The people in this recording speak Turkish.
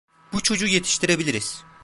Bu çocuğu yetiştirebiliriz!